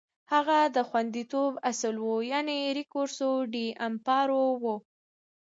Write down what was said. هغه د خوندیتوب اصل و، یعنې ریکورسو ډی امپارو و.